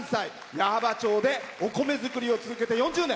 矢巾町でお米を作り続けて４０年。